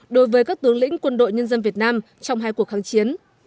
đối với các tướng lĩnh quân đội nhân dân việt nam trong hai cuộc kháng chiến